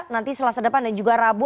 nanti setelah sedapan dan juga rabu